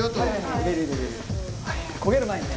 焦げる前にね。